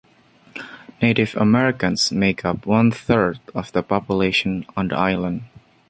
Native Americans make up one-third of the population on the island.